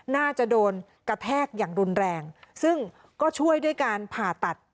น่าจะโดนกระแทกอย่างรุนแรงซึ่งก็ช่วยด้วยการผ่าตัด